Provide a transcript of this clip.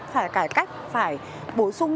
phải cải cách phải bổ sung